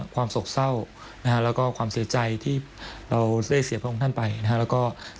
ผลสกเศร้าและความเสียใจที่เราเสียเจ้าพระองค์ท่าน